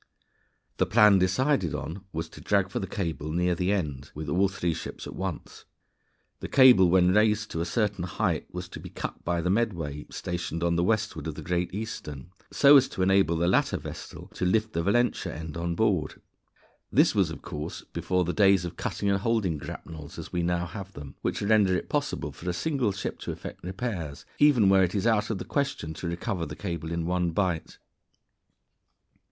The plan decided on was to drag for the cable near the end with all three ships at once. The cable when raised to a certain height, was to be cut by the Medway stationed to the westward of the Great Eastern, so as to enable the latter vessel to lift the Valentia end on board. This was, of course, before the days of cutting and holding grapnels as we now have them, which render it possible for a single ship to effect repairs even where it is out of the question to recover the cable in one bight. [Illustration: FIG. 40. S.S. Great Eastern Completing the Second Atlantic Cable.